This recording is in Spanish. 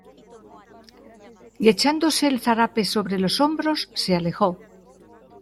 y echándose el zarape sobre los hombros, se alejó.